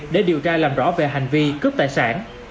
để điều tra làm rõ về hành vi cướp tài sản